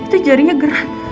yamin itu jarinya gerak